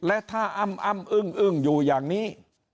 และถ้าอ้ำอ้ำอึ้งอึ้งอยู่อย่างนี้